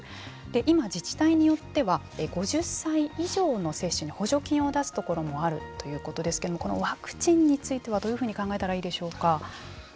今、自治体によっては５０歳以上の接種に補助金を出すところもあるということですけれどもこのワクチンについてはどういうふうに考えたらいいでしょうか。